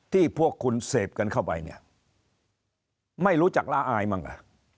พวกคุณเสพกันเข้าไปเนี่ยไม่รู้จักละอายมั้งอ่ะ